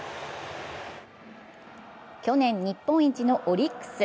去年、日本一のオリックス。